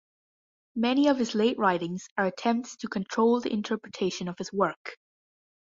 Many of his late writings are attempts to control the interpretation of his work.